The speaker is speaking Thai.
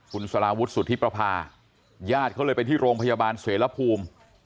คุณสลาวุฒิสุธิประพาญาติเขาเลยไปที่โรงพยาบาลเสรภูมิ